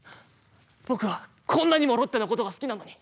僕は、こんなにもロッテのことを好きなのに。